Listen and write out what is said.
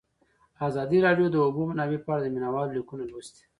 ازادي راډیو د د اوبو منابع په اړه د مینه والو لیکونه لوستي.